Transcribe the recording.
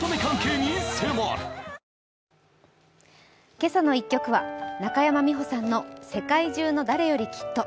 「けさの１曲」は中山美穂さんの「世界中の誰よりきっと」。